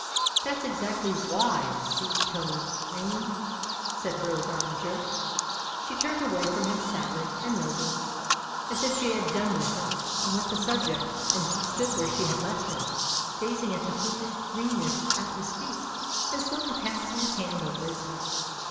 That's exactly ' why,' dear Tony Bream !" said Rose Armiger. She turned away from him sadly and nobly, as if she had done with him and with the subject, and he stood where she had left him, gazing at the foolish greenness at his feet and slowly passing his hand over his head.